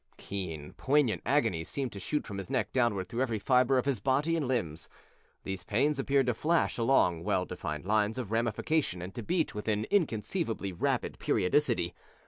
Keen, poignant agonies seemed to shoot from his neck downward through every fibre of his body and limbs. These pains appeared to flash along well defined lines of ramification and to beat with an inconceivably rapid periodicity.